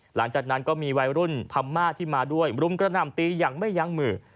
หลังจากนั้นก็มีวัยรุ่นพม่าที่มาด้วยรุมกระหน่ำตีอย่างไม่ยั้งมือ